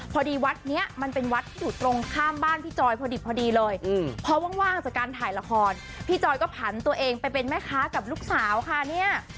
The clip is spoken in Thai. พอดีวัดนี้มันเป็นวัดที่อยู่ตรงข้ามบ้านพี่จอยพอดิบพอดีเลยเพราะว่าว่างจากการถ่ายละครพี่จอยก็ผันตัวเองไปเป็นแม่ค้ากับลูกสาวค่ะเนี่ย